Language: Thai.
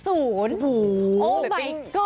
โอ้โฮมายก็อด